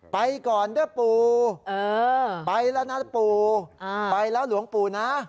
ไปก่อนเด้อปู่ไปแล้วนะปู่ไปแล้วหลวงปู่นะ